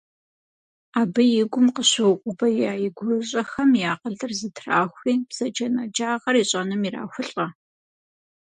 Абы и гум къыщыукъубея и гурыщӏэхэм и акъылыр зэтрахури, бзаджэнаджагъэр ищӏэным ирахулӏэ.